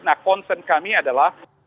nah konsen kami adalah